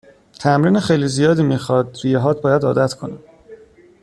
تمرین خیلی زیادی میخواد ریههات باید عادت کنن